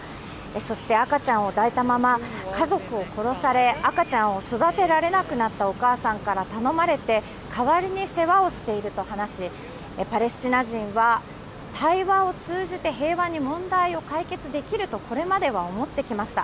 そして、赤ちゃんを抱いたまま、家族を殺され、赤ちゃんを育てられなくなったお母さんから頼まれて、代わりに世話をしていると話し、パレスチナ人は、対話を通じて平和に問題を解決できると、これまでは思ってきました。